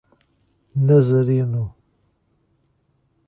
Nazareno